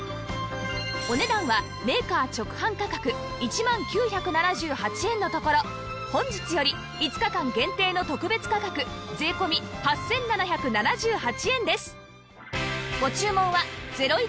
お値段はメーカー直販価格１万９７８円のところ本日より５日間限定の特別価格税込８７７８円です